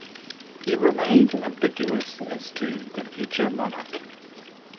He remained ambiguous as to the future monarch.